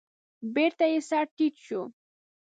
بېرته يې سر تيټ شو.